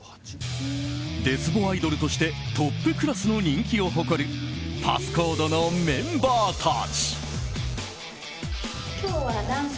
デスボアイドルとしてトップクラスの人気を誇るＰａｓｓＣｏｄｅのメンバーたち。